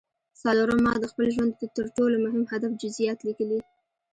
څلورم ما د خپل ژوند د تر ټولو مهم هدف جزييات ليکلي.